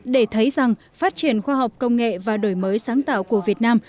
để thấy rằng phát triển khoa học công nghệ và đổi mới sáng tạo của việt nam